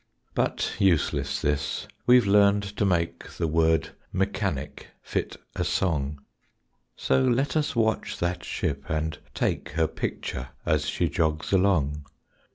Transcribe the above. But useless this we've learned to make The word mechanic fit a song; So let us watch that ship and take Her picture as she jogs along.